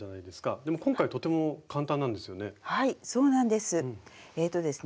でも今回とても簡単なんですよね？